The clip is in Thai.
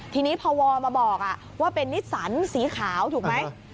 ทีนี้พอวมาบอกว่าเป็นนิสสันสีขาวถูกไหม